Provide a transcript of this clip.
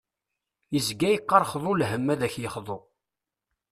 Yezga yeqqar xḍu lhem ad k-yexḍu.